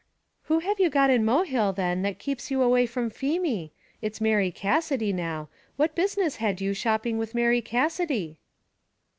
"Who have you got in Mohill then that keeps you away from Feemy? It's Mary Cassidy now; what business had you shopping with Mary Cassidy?"